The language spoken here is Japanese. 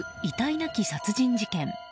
なき殺人事件。